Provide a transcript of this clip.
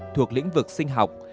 thuộc lĩnh vực sinh học